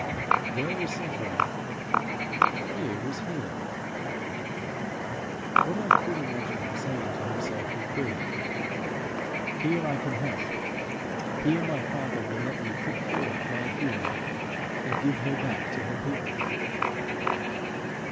There was suffering; here was healing. What I could imagine him saying to himself would be, "Here I can help! Here my Father will let me put forth my healing, and give her back to her people."